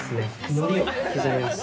のりを刻みます。